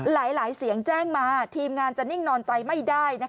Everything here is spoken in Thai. หลายเสียงแจ้งมาทีมงานจะนิ่งนอนใจไม่ได้